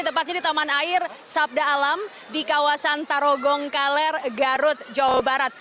tepatnya di taman air sabda alam di kawasan tarogong kaler garut jawa barat